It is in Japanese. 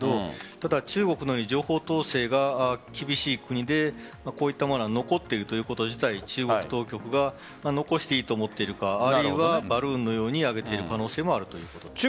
ただ中国の言う情報統制が厳しい国でこういったものが残っていること自体、中国当局が残していいと思っているかあるいはバルーンのように上げている可能性もあるということです。